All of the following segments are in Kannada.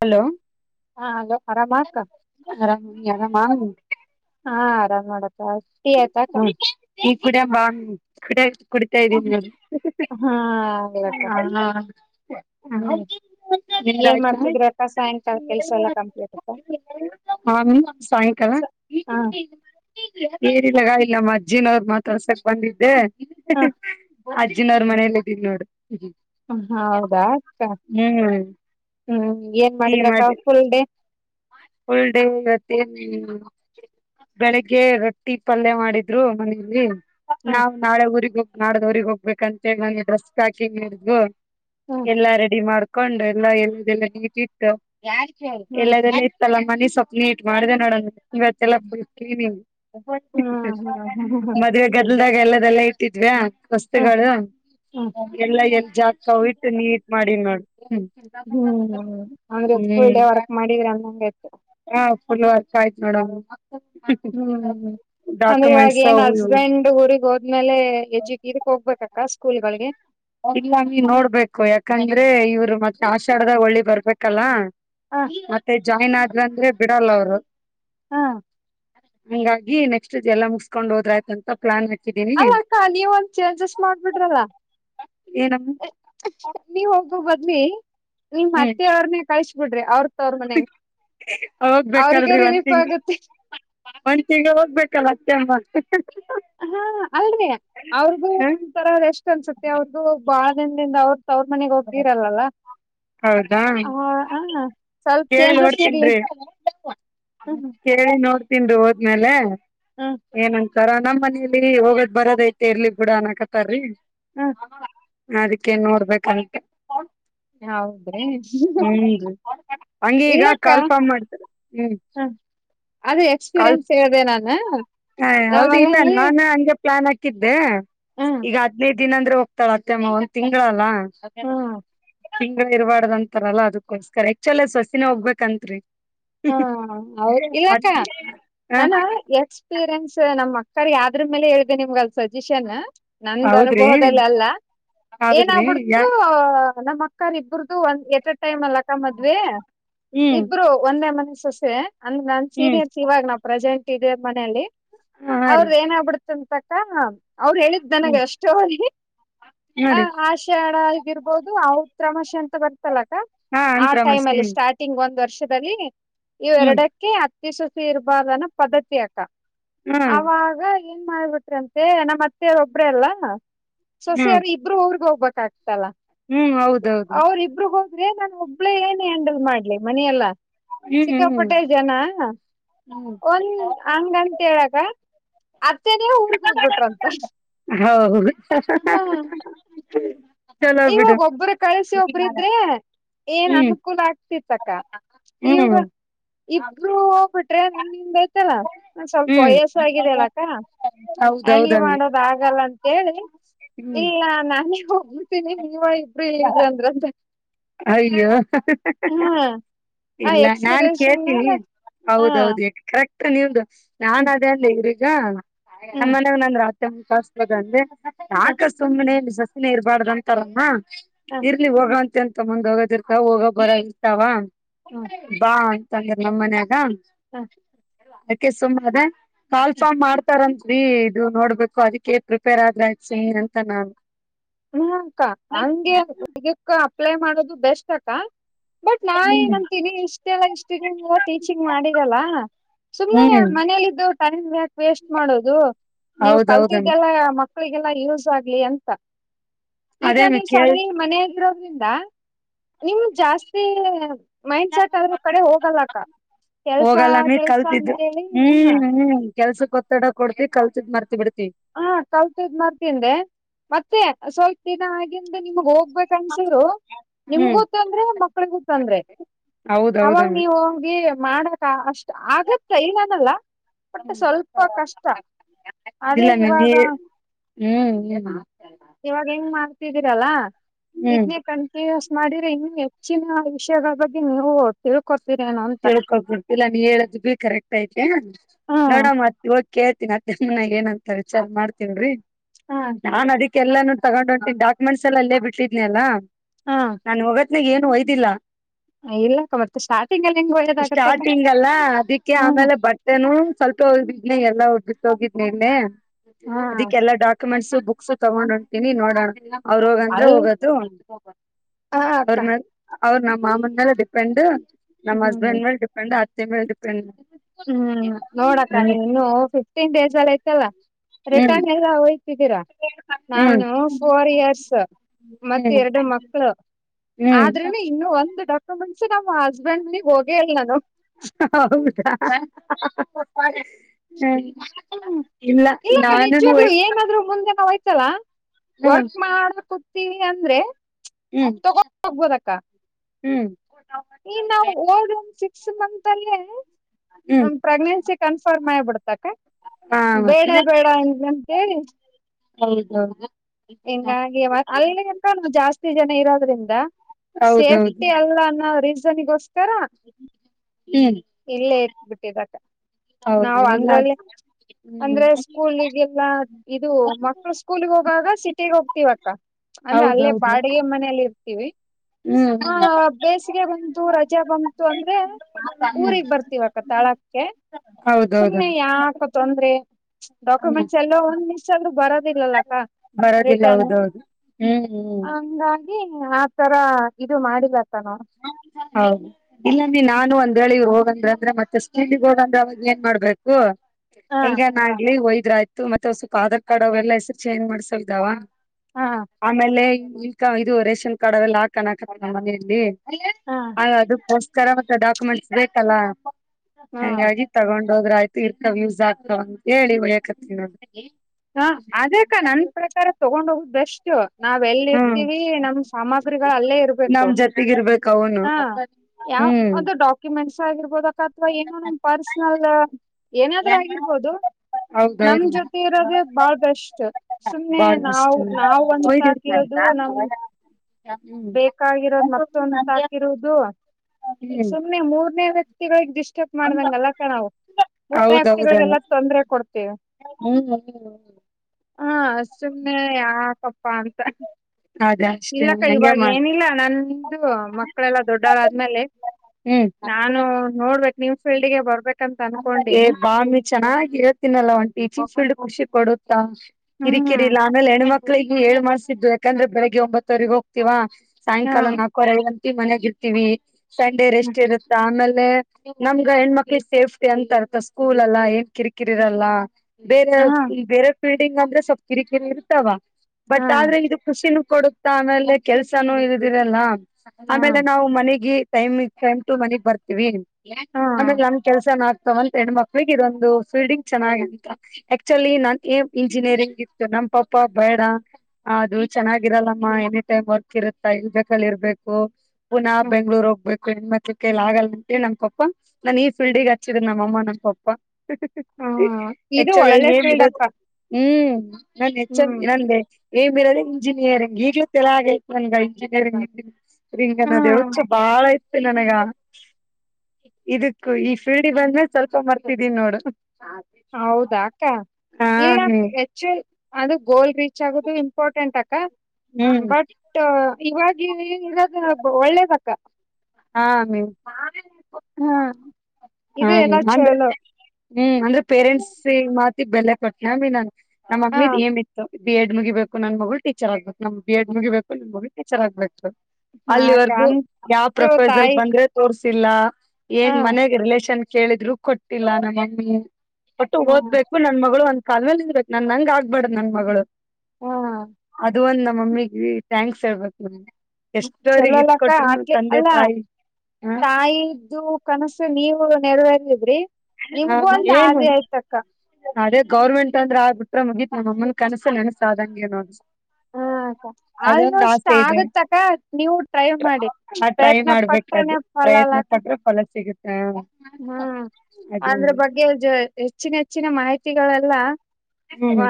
ಹಲೋ ಹಾ ಹಲೋ ಆರಾಮ ಅಕ್ಕ ಆರಾಮ ನೀ ಆರಾಮ್ ಹ ಹಾ ಆರಾಮ್ ನೋಡಕ್ಕ ಟೀ ಆಯ್ತಾ ಅಕ್ಕ ಹ್ಮ ಈಗ ಕುಡಿಯಂ ಬಾ ಡ ಕುಡಿತಾ ಇದೀನಿ ಹಾ ಆಗ್ಲಕ್ಕ ಹ ಹ್ಮ್ ನಿಂದು ಏನ್ ಆಯ್ತಾ ಮಾಡ್ತಿದ್ರಿ ಅಕ್ಕ ಸಾಯಂಕಾಲ ಕೆಲ್ಸ ಎಲ್ಲ ಕಂಪ್ಲೀಟ್ ಅಕ್ಕ ಹಾ ಸಾಯಂಕದ ಹ ಏರಿಲ್ಲ ನಮ್ಮ ಅಜ್ಜಿನವ್ರರು ಮಾತ್ಡಾಸಕ್ಕೆ ಬಂದಿದ್ದೆ ಹ ಅಜ್ಜಿನರ್ ಮನೆಯಲ್ಲಿ ತಿನ್ನೋಡು. ಹ ಹೌದಾಯತಾ. ಹ್ಮ್ ಹ್ಮ್. ಏನ್ ಟೀ ಮಾಡಿದ್ರಕ್ಕ ಮಾಡಿ ಫುಲ್ ಡೇ. ಫುಲ್ ಡೇ ಇರುತ್ತೆ ಬೆಳಿಗ್ಗೆ ರೊಟ್ಟಿ ಪಲ್ಯ ಮಾಡಿದ್ರು ಮನೇೆಯಲ್ಲಿ. ಹ ನಾವು ನಾಳೆ ಊರಿಗೆ ಹೋಗ. ನಾಡದವ್ರಿಗೆ ಹೋಗಬೇಕಂತೇಳಿ ನನಗೆ ಡ್ರೆಸ್ ಪ್ಯಾಕಿಂಗ್ ಹಡ್ದು. ಹ್ಮ ಎಲ್ಲಾ ರೆಡಿ ಮಾಡ್. ಹ ಕೊಂಡು ಎಲ್ಲಾ ಎಲ್ಲದೆಲ್ಲ ನೀಟ್ಟ ಇಟ್ಟ ಯಾರಿಗಿ ಕೇಳ ಎಲ್ಲ ಹ್ಮ್ ಇತ್ತಲ್ಲ ಮನಿ ಸಪ್ನೀಟ್ ಮಾಡ್ದೆ ನೋಡಂಗ ಇವತ್ತೆಲ್ಲ ಫುಲ್ ಕ್ಲೀನಿಂಗ್. ಹ್ಮ್ ಹ್ಮ್ ಹ್ಮ್ [unintelligible] ಹ್ಮ್ ಮದ್ವೆ ಗದ್ದಲ ಅಂದಾಗ್ ಎಲ್ಲದಲ್ಲೇ ಇಟ್ಟಿದ್ವ್ಯಾ? ಹ್ಮ್ ರಸ್ತೆಗಳು, ಹ್ಮ್ ಎಲ್ಲ ಎ ಜಾಸ್ [unintelligible] ಇಟ್ಟು ನೀಟ್ ಮಾಡಿ ನೋಡು ಹ್ಮ್, ಹ್ಮ. ಅಂದ್ರೆ ಇವತ್ ಫುಲ್ಲಡೇ ವರ್ಕ್ ಮಾಡಿದ್ರ ಅನ್ನ ಗತ್ತ [unintelligible] ಹಾ, ಫುಲ್ ಅವರ್ಸ್ ಆಯ್ತು ಮೇಡಮ್. ಹ್ಮ್. ಅಂದ್ರೆ ಇವಾಗ ಡಾಕ್ಯುಮೆಂಟ್ಸ್ ಏನ್ ಅವು ಇವು ಹಸ್ಬೆಂಡ್ ಊರಿಗ್ ಹೋದ್ಮೇಲೆ, ಎಜುಕಇದುಕ್ಕೆ ಹೋಗ್ಬೇಕಕ್ಕ ಸ್ಕೂಲ್ ಗಳಿಗೆ? ಇಲ್ಲ ನೀ ನೋಡ್ಬೇಕು ಯಾಕಂದ್ರೆ ಇವ್ರು ಮತ್ತೆ ಆಷಾಢದಾಗ ಒಳ್ಳಿ ಬರ್ಬೇಕಲ್ಲ. ಹ ಮತ್ತೆ [unintelligible] ಚೈನಾ [unintelligible] ಇಲ್ಲಂದ್ರೆ ಬಿಡಲ್ಲ ಅವರು. ಹಾ ಹಂಗಾಗಿ ನೆಕ್ಟ್ ಇದ್ ಎಲ್ಲ ಮುಗಸ್ಕೊಂಡ್ ಹೋದ್ರ ಆಯ್ತಂತ ಪ್ಲಾನ್ ಹಾ ಅಲ್ಲ ಅಕ್ಕ, ನೀವ ಒಂದ ಚೇಂಜಸ್ ಮಾಡ್ಬಿಡ್ರಲ್ಲ. ಏನಮ್ಮ ನೀವ ಹೋಗಬ ್ಮ [unintelligible] ನೀವ್ ಹ್ಮ್ ಮತ್ತೆ ಅವರ್ನೆ ಕಳ್ಸ ಬಿಡ್ರಿ, ಅವ್ರ ತವ್ರ ಮನೆಗೆ [unintelligible] ಅವ್ರಿಗೆ ಹೋಗ್ಬೇಕಲ್ರಿ ಒಂದ್ ರಿಲೀಫ್ ತಿಂಗ ಆಗುತ್ತೆ ಒಂದ್ ತಿಂಗಳ್ ಹೋಗ್ಬೇಕಲ್ಲ ಅತ್ತೆ ಅಮ್ಮ. ಇ [unintelligible] ಹಾ, ಅಲ್ರಿ ಅವ್ರಗು ಹ ಒಂದ ತರ ರೆಷ್ಟ್ ಅನ್ಸುತ್ತೆ, ಅವ್ರಗು ಬಾಳ ದಿನದಿಂದ ಅವ್ರ ತವರ್ ಮನೆಗೆ ಹೋಗ್ತಿರಲ್ಲಲ್ಲ. ಹೌದಾ ಹ ಹಾ, ಸ್ವಲ್ಪ ಕೇಳಿ ಚೇಂಜಸ್ ಇರಲಿ. ನೋಡ್ತೀನ್ರಿ ಹ ತಿಂದು ಹೋದ್ಮೇಲೆ ಏನ್ ಹಂಗ್ಸಾರ? ನಮ್ ಮನೇಲಿ ಹೋಗೋದ್ ಬರೋದ ಐತೆ, ಇರ್ಲಿ ಬುಡು ಅನಾಕತ್ತಾರೀ. ಹ್ಮ್ ಅದಕ್ಕೆನ್ ನೋಡ್ಬೇಕ ಹೌದ್ರಿ. [unintelligible] ಹ್ಮ್ ಹಂಗೆ ಈಗ ಇಲ್ಲಕ್ಕ. ಕಾಲ್ಫಾರ್ಮ್ ಮಾಡ್ತಾರ ಹ್ಮ್ ಹಾ. ಅದೇ ಕಾಲ್ ಎಕ್ಸ್ಪೀರಿಯನ್ಸ್ ಹೇಳ್ದೆ ನಾನು, ನಮ್ ಹೌದು ಇಲ್ಲ ಮನೆಯಲ್ಲಿ ನಾನ ಹಂಗೆ ಪ್ಲಾನ್ ಹಾಕಿದ್ದೆ ಈಗ ಅದಲೇ [unintelligible] ದಿನ ಅಂದ್ರೆ ಹೋಗ್ತಾಳ ಅತ್ತಮ್ಮ, ಒಂದ್ ತಿಂಗಳಲ್ಲಾ? ಹ್ಮ ಹ್ಮ್ [unintelligible] ತಿಂಗಳ ಇರಬಾರಡ್ದ ಅಂತಾರಲ್ಲ ಅದಕ್ಕೋಸ್ಕರ ಯಕ್ಚುಲ ಸಸಿನ ಹೋಗ್ಬೇಕಂತ್ರಿ. ಹಾ ಹೌದ ಅದ್ ಇಲ್ಲಾಕ್ಕ ಹಾ ನಾನ ಎಕ್ಸ್ಪೀರಿಯನ್ಸ್ ನಮ್ಮ ಸರಿ ಆದ್ರೆ ಮೇಲೆ ಹೇಳ್ದಿದೆ ನಿಮ್ಗ ಅಲ್ ಸಜೆಷನ್ ನಂದ್ ಹೌದ್ರಿ ಅನುಭವದಲ್ಲಿ ಅಲ್ಲ ಹೌದ್ರಿ ಯಾ ಏನಾಗಬಿಡ್ತು ನಮ್ಮ್ ಅಕ್ಕನ್ ಇಬರದುು ಒಂದ್ ಎಟ ಟೈಮ್ ಅಲ್ಲ ಅಕ್ಕ ಮದುವೆ ಹ್ಮ್ ಇಬ್ಬರು ಒಂದೆ ಮನೆ ಸೊಸೆ ಅಂದ್ರ ನಾನ್ ಹ್ಮ್ ಸೀನಿಯರ್ಸ್ ಇವಾಗ ನಾವು ಪ್ರಜೆನೆಟ್ ಇದೆ ಮನೆಯಲ್ಲಿ ಹಾ ಹಾ ರೀ ಅವರು ಏನಾಗ್ಬಿಡತ ಅಂತ ಅಕ್ಕ ಹ ಹ ಅವ್ರು ಹೇಳಿದ್ದ ನನಗ್ ಹ್ಮ್ ಅಷ್ಟೇ ರಿ ಹಾ ರೀ ಆಷಾಡ ಆಗಿರ್ಬಹದು ಅವರ ಪ್ರಮೋಷನ್ ಅಂತ ಹೊಸದು ಅಲ್ಲ ಅಕ್ಕ ಹಾ ಅ ಅಂತ್ರ ಮಸಿ ಟೈಮ್ನಲ್ಲಿ ಹ್ಮ್ ಸ್ಟಾರ್ಟಿಂಗ್ ಒಂದ್ ವರ್ಷ ದಲ್ಲಿ ಇವು ಹ್ಮ್ ಎರಡಕ್ಕೆ ಹತ್ತು ಅತ್ತಿ ಸೋಸಿ ಇರಬಾರ್ದ ಅನ್ನೋ ಪದ್ಧತಿ ಅದು ಹಾ ಅವಾಗ ಏನ್ ಮಾಡ್ಬಿಟೆ ಅಂದ್ರೆ ನಮ್ಮ್ ಅತ್ತೆ ಒಬ್ಬರೇ ಅಲ್ಲ ಏನ್ ಸೂಸೇರು ಇಬ್ಬರೂ ಊರಿಗೆ ಹೋಗಿಬೇಕು ತಾತ್ಕಾಲಾ ಹೂ ಹೌದೌ ಹೌದೌ ಹೌದು ಹೇ ನಾನು ಒಬ್ಳೇ ಹೇಗೆ ಹ್ಯಾಂಡಲ್ ಮಾಡಲಿ ಮನೆಯೆಲ್ಲಾ ಹ್ಮ್ ಹ್ಮ್ ಸಿಕ್ಕಾಪಟ್ಟೆ ಜನ ಒಂದ ಹಂಗ ಅಂತ ಹೇಳಕ್ ಅತ್ತೆದು ಊರು ಹೌೌ ಹಾ [inaudible] ಇವಾಗ ಒಬ್ಬರು ಕಳಸಿ ಒಬ್ರ ಇದ್ರೆ ಏನ್ ಹ್ಮ್ ಅನುಕೂಲ ಆಗ್ತಿತ್ತಕ್ಕ ಇವಾಗ ಹ್ಮ್ ಇಬ್ರುೂ ಹೋಗ್ಬಿಟ್ರೆ ನಮಿಂದ ಐತಲ್ಲ ನಾ ಸ್ವಲ್ಪ ಹ್ಮ್ ವಯಸ್ಸ ಆಗಿದೆ ಅಲ್ಲ ಅಕ್ಕ ಹ್ಯಾಂಡಲ್ ಹೌದೌದಮ್ಮಿ ಮಾಡೋದ ಆಗಲ್ಲ ಅಂತೇಳಿ ಹ್ಮ್ ಇಲ್ಲ ನಾನೇ ಹೋಗಿತಿನಿ ನಾನೇ ಹೋಗಿತಿನಿ ನೀವು ಇಬ್ಬರು ಇರಿ ಅಂತ ಹೇಳಿದರು ಅಂತೆ [unintelligible] ಅಯ್ಯೋ ಆ ಇಲ್ಲ ನಾನ್ ಎಕ್ಸ್ಪಿರೇಷನ್ ಕೇಳ್ತೀನಿ ಮೇಲೆ ಹಾ ಹೌದೌದು ಕರೆಕ್ಟ್ ನೀ ಹೋಗಾ [inaudible] ನಾನ್ ಹ್ಮ್ ಅದೇ ಅಂದೇ ಇಬ್ಬರಿಗ ಜಾ ನಮ್ಮ ಹ್ಮ್ ಮನ್ಯಾಗ ನಂದರ [inaudible] ಚಂದ್ ಕೆಲ್ಸ್ತಡೆನ್ಲೆ ಹ ಯಾಕ ಸುಮ್ಮನೆ ಸುಮ್ನೆ ಇರಬಾರದು ಅಂತರ ಮ ಹ ಇರ್ಲಿ ಹೋಗಂ ಎಂತ ಮುಂದ್ ಹೋಗೋದಿರ್ತವ ಹೋಗ ಬರವ ಇರ್ತವ ಹ [unintelligible] ಬ ತ್ತ ಅಂದ್ರು ನಮ್ ಮನ್ಯಗ ಹ ಅದಕ್ಕೆ ಸುಮ್ ಆದೆ ಕಾಲ್ಫಾಮ್ ಮಾಡ್ತಾರಂತ ಈ ಇದು ನೋಡ್ಬೇಕು ಅದಿಕೆ ಪ್ರಿಪೇರ್ ಆದ್ರ ಆಯ್ತ್ ಸುಮ್ನೆ ಇರು ಅಂತ ನಾನ್. ಹ್ಮ ಅಕ್ಕ ಹಂಗೆಗಕ್ಕ ಪ್ಲೇ ಮಾಡೋದು ಬೆಸ್ಟ್ ಅಕ ಬಟ್ ನಾ ಹ್ಮ್ ಏನಂತೀನಿ ಇಷ್ಟೆಲ್ಲ ಇಷ್ಟ ಎಲ್ಲ ಟೀಚಿಂಗ್ ಮಾಡಿರಲ್ಲ ಸುಮ್ನೆ ಹ್ಮ್ ಮನೇಲ್ಲಿದ್ದು ತನಿ ಯಾಕ್ ವೇಸ್ಟ್ ಮಾಡೋದು ನೀವು ಹೌದೌದಮ್ಮಿ ಕಲ್ತಿದ್ದೆಲ್ಲ ಆ ಮಕ್ಳಿಗ್ ಎಲ್ಲ ಯೂಸ್ ಆಗ್ಲಿ ಅಂತ. ಈಗ ಅದೇಮ್ಮಿ ನೀ ಕೇಳಿ ಸದನ್ಲಿ ಮನೆಗಿರೋದ್ ರಿಂದ ನಿಮ್ ಜಾಸ್ತಿ ಮೈಂಡ್ಸೆಟ್ ಆದ್ರ ಕಡೆ ಹೋಗಲ್ಲಕ್ಕ ಕೆಲ್ಸ ಹೋಗಲ್ಲಮ್ಮಿ ಕೆಲ್ಸ ಕಲ್ತಿದ್ದು ಅಂತೇಳಿ ಏನ ಹ್ಮ್ [unintelligible] ಹ್ಮ್ ಕೆಲ್ಸಕ್ ಒತ್ತಡ ಕೊಡ್ತಿವಿ ಕಲ್ತಿದ್ ಮರ್ತಿ ಬಿಡ್ತಿವಿ ಹಾ ಕಲ್ತದ್ ಮರ್ತಿಂದೆ ಮತ್ತೆ ಸ್ವಲ್ಪ್ ದಿನ ಆಗಿಂದ ನಿಮ್ಗ್ ಹೋಗ್ ಹೋಗ್ಬೇಕು ಅನ್ಸಿದ್ರು ನಿಮ್ಗೂ ಹ್ಮ್ ತೊಂದ್ರೆ ಮಕ್ಳಿಗೂ ತೊಂದ್ರೆ ಅವಗ ಹೌದೌದಮ್ಮಿ ನೀವು ಹೋಗಿ ಮಾಡಕ ಅಷ್ ಸ್ಟ್ ಆಗತ್ತ ಇಲ್ಲನಲ್ಲ ಬಟ್ ಸ್ವಲ್ಪ ಕಷ್ಟ ಅದೇ ಇಲ್ಲ ನೀ ಹದ ಹ್ಮ್ ಏನ ಇವಗ ಹೆಂಗ್ ಮಾಡ್ ತ್ತಿದಿರಲ ಹ್ಮ್ ಇದ್ನೆ ಕಂಟಿನ್ಯೂಸ್ ಮಾಡಿರ ಇನ್ನು ಹೆಚ್ಚಿನ ವಿಷಯಗಳ ಬಗ್ಗೆ ನೀವು ತಿಳ್ಕೊ ತಿಳ್ಕೊಬಡ್ತಿಲ್ಲ ನೀ ಹೇಳದು ಭೀ ಕರೆಕ್ಟ್ ಐತೆ ಹ್ಮ್ ನೋಡಮ್ ಮತ್ ಇವತ್ ಕೇಳ್ತೀನಿ ಅದೆ ಮನ್ಯಾಗ ಏನಂತರ ಮನ್ಯಗ ವಿಚಾರ ಮಾಡ್ತನ್ರೀ. ಹ್ಮ್ ನಾನ್ ಅದಕ್ಕೆಲ್ಲಾನ. ತಗೊಂಡುಂಟಿದ್ದ ಡಾಕ್ಯುಮೆಂಟ್ ಎಲ್ಲೇ ಬಿಟ್ಟಿದನಲ್ಲ. ನಾ ಹೋಗ. ಮುಂದೆ ಏನು ಒಯ್ದಿಲ್ಲಾ ಇಲ್ಲ ಕ ಮರ್ತ ಶ ಸ್ಟಾರ್ಟಿಂಗ್ ಅಲ್ಲ ಅದಕ್ಕೆ ಹ್ಮ್ ಆಮೇಲೆ ಬಟ್ಟೆನು ಸ್ವಲ್ಪ ಉ ಇಲ್ಲಿ ಎಲ್ಲಾ ಉುಡ್ಸ ಹೋಗಿದ್ನಿ ಇನೆ ಹ್ಮ್ ಅದಿಕ್ಕೆಲ್ಲ ಡಾಕ್ಯುಮೆಂಟ್ಸ್ ಬುಕ್ಸ್ ತಗೊಂಡಿರ್ತಿನಿ ನೋಡಾಡ್ತ ಅವ್ರ ಹೋಗಂದ್ರೆ ಅಲ್ ಹೋಗದುಟ ಹ ಅವ್ರ ಅಕ್ಕ ಮ ಅವ್ರು ನಮ್ಮ ಮಾಮನ ಮೇಲೆ ಡಿಪೆಂಡ ನಮಸ್ತೆ ಹ್ಮ್ ಲ್ ಡಿಪೆಂಡ್ ತಮ ಕ ಹ್ಮ್ ನೋಡಕ್ಕ ನೀ ಇನ್ನು ಷ್ಟಿ ಷ್ಟಿ ನ್ ಢೇಸ್ ಲ ಹ್ಮ್ ರಿಟರ್ನ್ ಎದ ಹಯ್ತಿದ್ದೀರಾ ಹ್ಮ್ ನಾನು ಫೋರ್ ಇಯರ್ಸ್ ಮತ್ತ ಹ್ಮ್ ಎರಡು ಮಕ್ಕಳು ಹ್ಮ್ ಆದ್ರೂನು ಇನ್ನು ಒಂದುಡಕ್ ಮುಂಚೆ ನಮ್ಮ್ ಹಸ್ಬೆಂಡ್ ನಿಗ್ ಹೋಗೇ ಹೇಳ ನಾನು ಹೌ ಹ ಹ್ಮ ಹ್ಮ್ ಇಲ್ಲಕ್ಕ ನಿಜವಾಗ್ಲು ಒಯ್ ಏನಾದ್ರು ಮುಂದೆನ ಹೋಯ್ತಲ್ಲ ಹ್ಮ್ ವರ್ಕ್ ಮಾಡ ಕೂತಿೀವಿ ಅಂದ್ರೆ ಹ್ಮ್ ತ ಕಬ ತಾ ಹ್ಮ್ ಈ ನಾ ನಾವ್ ಸುಮಂತಲ್ಲ ಹ್ಮ್ ಪ್ರೆಗ್ನೆನ್ಸಿ ಕನ್ಫರ್ಮ್ ಆಬಿಡ್ತ ಹಾ ಬೇಡ ಬೇಡಂತಿ ಹೌದೌದು ಹಾಸ್ತಿ ಜನ ಇರೋದ್ರಿಂದ ಹೌದೌದು ಸೇಫ್ಟಿ ಅಲ್ಲನ ಬೇಸಷ್ಟ ರ ಹ್ಮ್ ಇಲ್ಲೇ ಇತ್ ಬಿಟ್ಟಿದಕ್ಕ ಹೌದು ನಾವವು ಇಲ್ಲ ಅಂದ್ರಲ್ಲ ಹ್ಮ್ ಅಂದ್ರೆ ಸ್ಕೂಲ್ಗೆಲ್ಲ ಇದು ಮಕ್ಳು ಸ್ಕೂಲ್ಗ ಹೋಗಾಗ ಸಿಟಿಗ ಹೋಗ್ತವಕ್ಕ ಅಂದ್ರೆ ಅಲ್ಲೇ ಹೌದೌದು ಬಾಡಿಗೆ ಮನಲಿ ವಿ ಹ್ಮ್ ಹಾ ಬೇಸ ಬಂತು ರಜಾ ಬಂತು ಅಂದ್ರೆ, ಹ್ಮ್ ಊರಿಗ್ ಬರ್ತಿವಕ ತಾಳಾಕಕ್ಕೆ ಹೌದೌದು ಸುಮ್ನೆ ಯಾಕ ಅಂದ್ರ ಅಂದ್ರೆ ಏನ್ ಡಾಕ್ಯುಮೆಂಟ್ಸ್ ಎಲ್ಲ ಒಂದು ಮಿಸ್ ಆದ್ರೂ ಬರದಿಲ್ಲ ಅಲ್ಲ ಕಾ ಬರೋದಿಲ್ಲ ರಿಟನ್ ಹೌದೌದು ಹ್ಮ್ ಹ್ಮ್ ಹಂಗಾ ಏ ಆ ತರ ಇದು ಮಾಡಿಲ್ಲ ತನು [unintelligible] ಹೌದು ಇಲ್ಲಂದ ನಾನು ಒಂದೇಳಿ [unintelligible] ಬಂದ್ರ ಅಂದ್ರೆ ಮತ್ತೆ ಸ್ಕೂಂಡಿಗೋಡ್ ಅಂದ್ರೆ ಅವಾಗ ಏನ್ ಮಾಡ್ಬೇಕು ಹಾ ಹೆಂಗ್ಯಾ ನಾಗಲಿ ಇತ್ ಇದ್ರ ಆಯ್ತು ಮತ್ತೆ ಸುಪ ಆಧಾರ್ ಕಾರ್ಡ್ ಅವೆಲ್ಲ ಹೆಸರು ಚೇಂಜ್ ಮಾಡಸ್ಕ್ ಇದವ ಹಾ ಆಮೇಲೆ ಇಂಕಾ ಇದು ರೇಷನ್ ಕಾರ್ಡ್ ಅವೆೆಲ್ಲ ಹಾಕಣಕ ಮನೆಯಲ್ಲಿ ಇದೇನ್ ಹಾ ಅ ಅದು ಕರೆವಂದ್ರ ಡಾಕ್ಯುಮೆಂಟ್ಸ್ ಬೇಕಲ್ಲಾ ಹಾ. ಹಂಗಾಗಿ ತಗೊಂಡ್ ಹೋದ್ರ ಅಯ್ತು ಇರ್ತವ ಯೂಸ್ ಆಗ್ತವ ಅಂತ ಹೇಳಿ ಒಯಕತ್ತಿನ ನೋಡು ಹಾ ಅದೇ ಅಕ್ಕ ನನ್ ಪ್ರಕಾರ ತಗೊಂಡ ಹೋಗುದು ಬೆಷ್ಟ್ ಷ್ಟ್ ನಾವ್ ಎಲ್ಲಿ ಹ್ಮ್ ಇರ್ತೀವಿ ನಮ್ಮ ಸಾಮಗ್ರಿಗಳು ಅಲ್ಲೇ ಇರ್ಬೇಕು ನಮ್ ಜೊತೆಗ ಇರ್ಬೇಕ ಅವನು ಹ, ಯಾವ ಹ್ಮ್ ಒಂದು ಡಾಕ್ಯುಮೆಂಟ್ಸ್ ಆಗಿರ್ಬೋದ ಅಥವಾ ಇನ್ನೊ ನ ಪರ್ಸನಲ್ ಏನಾದ್ರೂ ಆಗಿರ್ಬೋದು ನಮ್ ಹೌದೌದು ಜೊತೆ ಇರೋದ ಬಾಳ್ದಷ್ಟ್ ಸುಮ್ಮ್ನೆ ಬಾಳ ಇಷ್ಟ ನಾವ್ ನಾವು ಅಂತ ಒಯ್ದಿಡ್ತ ಹಾಕಿರೋದು ನಮ್ ಹ್ಮ್ ಬೇಕಾಗಿರೋದು ಮತ್ತೊಂದು ಸಾಕಿರುದು ಹ್ಮ್ ಸುಮ್ನೆ ಮೂರನೇ ವ್ಯಕ್ತಿಗಳಿಗೆ ಡಿಸ್ಟ್ರೆಬ್ ಮಾಡ್ದಂಗಲ್ಲ ಕಣವು ಮೂರ್ನೇ ಹೌದೌದ ಹಕ್ತಿರಾಗಲ್ಲ ತೊಂದ್ರೆ ಕೊಡ್ತೇವಿ ಹ್ಮ್ ಹ್ಮ್ ಹಾ ಅಷ್ಟ್ಸುನೆ ಯಾ ಪಾನ್ಕ ಅದ ಅಷ್ಟೇ ಇಲ್ಲಕ್ಕ ಹಂಗೆ ಇವಾಗ ಮಾಡ ಏನಿಲ್ಲ ನಂದು ಮಕ್ಕಳೆಲ್ಲಾ ದೊಡ್ಡವರ್ ಆದ್ ಮೇಲೆ ಹ್ಮ್ ನಾನೂ ನೋಡ್ಬೇಕ್ ನಿಮ್ಮ್ ಫೀಲ್ಡ್ ಗೆ ಬರ್ಬೇಕ ಹೇ ಬಾಮಿ ಚೆನ್ನಾಗಿ ಹೇಳ್ತಿನಲ್ಲ ಒಂ ಟೀಚಿಂಗ್ ಫೀಲ್ಡ್ ಕುಶ್ [unintelligible] ಕೊಡು [unintelligible] ಕಿರಿಕಿರಿ ಹ್ಮ್ ಇಲ್ಲ ಆಮೇಲೆ ಹೆಣುಮಕ್ [unintelligible] ಮಕ್ಕಳಿಗೆ ಹೇಳ್ ಮಾಡ್ಸಿದ್ದು ಯಾಕಂದ್ರೆ ಬೆಳಗ್ಗೆ ಒಂಬತ್ತುವರಿಗಿ ಹೋಗ್ತೀವಾ ಹಾ ಸಾಯಂಕಾಲಾ ನಾಕುವರೆ ಮನ್ಯಾಗ ಇರ್ತೀವಿ ಸಂಡೆ ರೆಸ್ಟ್ ಇರುತ್ತಾ ಆಮೇಲೆ [inaudible] ನಮ್ಗ ಹೆಣ್ಮಕ್ಳಿಗೆ ಸೇಫ್ಟ ಎಂತರ್ಥ ಸ್ಕೂಲ್ ಎಲ್ಲಾ ಏನ್ ಕಿರಿಕಿರಿ ಇರಲ್ಲಾ ಬೇರೆ ಹಾ ಬೇರೆ ಫೀಲ್ಡಿಂಗ್ ಅಂದ್ರೆ ಸೊಪ್ ಕಿರಿಕಿರಿ ಇರ್ತಾವಾ ಹಾ ಬಟ್ ಆದ್ರೆ ಇದು ಖುಷಿನು ಕೊಡುತ್ತಾ ಆಮೇಲೆ ಕೆಲ್ಸನೂ ಇರುದಿರಲ್ಲ ಆಮೇಲೆ ನಾವು ಮನಿಗಿ ಟೈಮಿಗ್ ಟೈಮ್ ಟು ಮನಿಗ್ ಬರ್ತೀವಿ ಹಾ ಹಾ ಅಂದ್ರೆ ನಮ ಕೆಲ್ಸಾ ಹೆಣ ಮಕ್ಳಿಗೆ ಇದೊಂದು ಫೀಲ್ಡಿಂಗ್ ಚೆನ್ನಾಗ ಅಂತ ಆಕ್ಚುಲಿ ನಾನ್ ಏಮ್ ಇಂಜಿನಿಯರಿಂಗ್ ಇತ್ತು ನಮ್ ಪಪ್ಪಾ ಬೇಡ ಅದು ಚೆನ್ನಾಗಿರಲ್ಲಮ್ಮ ಎನಿ ಟೈಮ್ ವರ್ಕ್ ಇರುತ್ತ ಎಲ್ಲಿಬೇಕಲ್ಲಿ ಇರ್ಬೇಕು ಪುನಃ ಬೆಂಗ್ಳೂರು ಹೋಗ್ಬೇಕು ಹೆ ಮತ್ತೆ ಆಗಲ್ಲ ಅಂತ ಹೇಳಿ ನಮ ಪಪ್ಪ ನನ್ನಾ ಈ ಫೀಲ್ಡಿಗಿ ನಮ್ಮ ಅಮ್ಮ ನಮ್ಮ ಪಪ್ಪಾ ಹ್ಮ್ ಇದು ಆಕ್ಚುಲ್ ನನ್ ಒಳ್ಳೆ ಏನ್ ಫೀಲ್ಡ್ ಇರೋದು ಅಕ್ಕ ಹ್ಮ್ ನನ್ ಹ್ಮ್ ಹೆಚ್ಚಾಗಿ ನಂದೇ ಏಮ್ ಇರೋದೇ ಇಂಜಿನಿಯರಿಂಗ್ ಈಗ್ಲೂ ತಲ್ಯಾಗೈತಿ ನನ್ಗ ಇಂಜಿನಿಯರಿಂಗ್ ರರಿಂಗನ ಹ್ಮ್ [inaudible] ಬಾಳ ಯತ ನನಗ ಇದಕ್ಕೂ ಈ ಫೀಲ್ಡಿಗಿ ಬಂದ್ಮೇಲೆ ಸ್ವಲ್ಪ ಮರ್ತಿದೀನಿ ನೋಡು ಹೌದಾ ಅಕ್ಕಾ ಹಾ ಇಲ್ಲ ಹ್ಮ್ ಹೆಚ್ಚುಲ್ ಅದು ಗೋಲ್ ರೀಚ್ ಆಗುದು ಇಂಪಾರ್ಟೆಂಟ್ ಆತ ಹ್ಮ್ ಬಟ್ ಇವಾಗ [unintelligible] ಅ ಒಳ್ಳೆದಕ್ಕ [inaudible] ಹಾ ಮೇ [inaudible] ಹಾ ಇದು ಎಲ್ಲ ಚಲೋ ಹ್ಮ್ ಅಂದ್ರೆ ಪೇರೆಂಟ್ಸ್ ಮಾತಿಗೆ ಬೆಲ್ಲ ಕೊಟ್ಟಲಮಿ ನನ್ ನಮ್ಮ ಹ ಅಮ್ಮೀದ್ ಏನಿತ್ತು ಬಿ ಎಡ್ ಮುಗಿಬೇಕು ನನ್ ಮಗಳುು ಟೀಚರ್ ಆಗ್ಬೇಕು ನಮ್ ಬಿ ಎಡ್ ಮುಗಿಬೇಕು ನನ್ ಮಗು ಟೀಚರ್ ಆಗ್ಬೇಕು ಹಾ ಅಕ್ಕ ಅಲ್ಲಿವರೆಗೂ ಅಂತು ಯಾವ ಪ್ರೊಫೈಲ್ಲ್ ತಾಯಿ ಬಂದ್ರೆ ತೋರ್ಸ ಇಿಲ್ಲ ಹಾ ಮನೆಗೆ ರಿಲೇಶನ್ ಕೇಳಿದ್ರು ಕೊಟ್ಟಿಲ್ಲ ನಮ್ಮಮ್ಮ ಒಟ್ಟು ಹ್ಮ್ ಓದ್ಬೇಕು ನನ್ ಮಗಳು ಅಂತ [inaudible] ಕಾಲ ಮೇಲೆ ಇರ್ಬೇಕು ನನ್ ನಂಗಗೆ ಆಗ್ಬೇಡ್ದ ನನ್ ಮಗಳು ಹಾ [unintelligible] ಅದು ಒಂದ [unintelligible] ಮಮ್ಮಿಗೆ ಥ್ಯಾಂಕ್ಸ್ ಹೇಳ್ಬೇಕ ನಗೆ ಚಲೋ ಅಲ್ಲಕ್ಕ ಆಟ್ಲಿ ಅಲ್ಲ ತಾಯಿ ಹ ತಾಯಿದ್ದು ಕನಸ ನೀವು ನೆರದೇರಿದ್ರಿ ಹ ಏನು ಅದೇ ಗೌರ್ಮೆಂಟ್ ಅಂದ್ರೆ ಆಗ್ಬು ಗೀತ್ ನಮ್ಮ ನಮ್ಮ ಕನಸ ನೆನಸ ಆದಂಗೆನೋ ಹ ಆಲ್ಮೋಸ್ಟ್ ಆಗತ್ತಕ್ಕ ನೀವು ಟ್ರೈ ಮಾಡಿ ಆ ಟ್ರೈ ಪ್ರಯತ್ನ ಪಟ್ರನೆೇ ಮಾಡ್ಬೇಕದು ಫಲಲ್ಲ ಪ್ರಯತ್ನ ಪಟ್ರೆ ಫಲ ಸಿಗುತ್ತೆ ಹ್ಮ್ ಅದು ಅಂದ್ರ ಬಗ್ಗೆ ಹೆಚ್ಚಿನ ಹೆಚ್ಚಿನ ಮಾಹಿತಿ ಗಳೆಲ್ಲ ಆ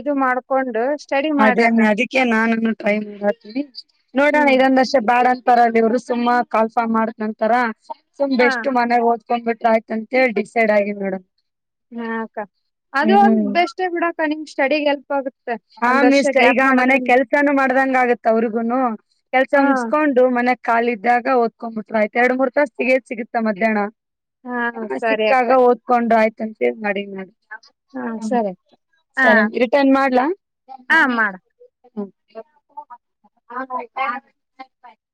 ಇದು ಮಾಡ ಅದೇಮ್ಮಿ ಅದಕ್ಕೆ ನಾನನ್ನು ಟ್ರೈ ಮಾಡತೀನಿ ನೋಡೋಣ ಹ್ಮ್ ಇದೊಂದ ವಷ ಬಾಡಂತ ತಾರಲ್ಲಿವರು ಸುಮ್ಮಾ ಕಾಲ್ ಫಾರ್ಮ ಮಾಡ್ತಿ ನಂತರ ಸುಮ್ ಹ ಬೆಸ್ಟ್ ಮನೆ ಹ ಕಕ್ಬ ಬಿಟ್ರ ಆಯ್ತ ಅಂತೇಳ ಡಿಸೈಡ್ ಆಗಿ ಮೇಡ್ ಹಾಕ್ಕ ಅದು ಒಂದ್ ಬೆಸ್ೇ ಬಿಡಾಕ ನಿಮ ಚಡಿಗಲ್ ಹ ಮಿಸ ಈಗ ಮನೆ ಕೆಲ್ಸಾನು ಮಾಡ್ದಂಗ ಆಗತ್ತ ಅವ್ರಿಗುನು ಕೆಲ್ಸ ಹ ಮುಗಸ್ಕೊಂಡು ಮನೆ ಕಾಲಿದ್ದಾಗ ಓದ್ಕೊಂಡು ಆಯ್ತ್ ಎರಡು ಮೂರ್ ತಾಸ ಸಿಗದ್ ಸಿಗುತ್ತ ಮ್ಯಾಹ್ನ ಹಾ ಹ ಸರಿ ಅಕ್ಕ ಸಿಕ್ಕಾಗ ಓದ್ಕೊಂಡು ಆಯ್ತು [unintelligible] ಚ ಮಾಡಿ ಮಾಡಿ ಹಾ ಹ್ಮ ಸರಿ ಅಕ್ಕ ಹಾ ಸರಿ ರಿಟರ್ನ್ ಮಾಡ ಹಾ ಮಾಡ ಹ [unintelligible]